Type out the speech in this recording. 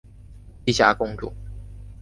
栖霞公主。